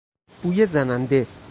بوی زننده